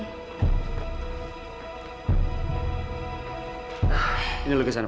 nah ini lukisan pak